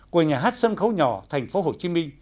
của nhà hát sân khấu nhỏ tp hcm